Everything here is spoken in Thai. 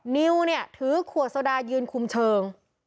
นิวเนี่ยถือขวดโซดายืนคุมเชิง